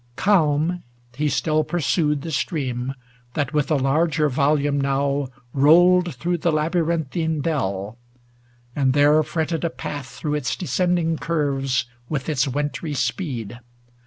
Calm he still pur sued The stream, that with a larger volume now S4<┬╗ ALASTOR 41 Rolled through the labyrinthine dell ; and there Fretted a path through its descending curves With its wintry speed.